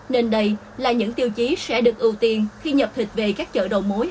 nên đây là những tiêu chí sẽ được ưu tiên khi nhập thịt về các chợ đầu mối